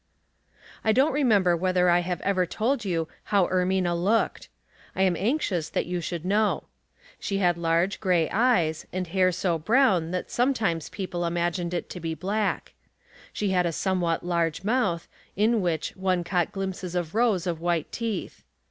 1 don't remember whether I have ever told you how Er mina looked. I am anxious that you should know. She had large gray eyes, and hair so brown that sometimes people imagmed it to be black. She had a somewhat large mouth, in which one caught glimpses of rows of white teeth.